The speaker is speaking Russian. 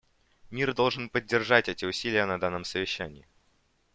Мир должен поддержать эти усилия на данном совещании.